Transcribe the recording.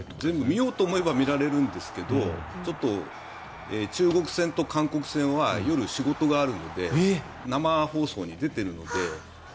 見ようと思えば見られるんですがちょっと中国戦と韓国戦は夜、仕事があるので生放送に出ているので。